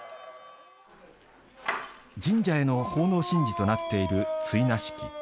神社への奉納神事となっている追儺式。